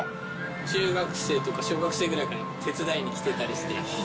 中学生とか小学生ぐらいから手伝いに来てたりして。